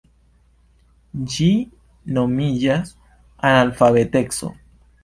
Ĝi nomiĝas analfabeteco.